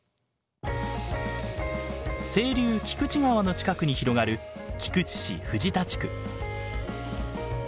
清流菊池川の近くに広がる菊池市藤田地区。